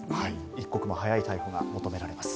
一刻も早い逮捕が求められます。